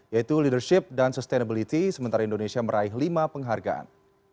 yaitu leadership dan sustainability sementara indonesia meraih lima penghargaan